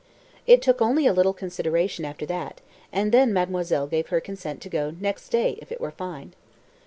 It took only a little consideration after that, and then mademoiselle gave her consent to go next day if it were fine.